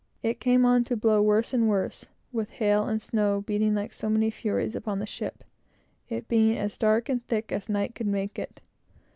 It came on to blow worse and worse, with hail and snow beating like so many furies upon the ship, it being as dark and thick as night could make it.